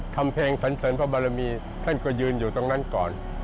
ทำเพลงสันเสริญพระบารมีท่านก็ยืนอยู่ตรงนั้นก่อน